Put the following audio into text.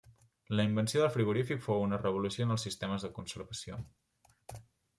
La invenció del frigorífic fou una revolució en els sistemes de conservació.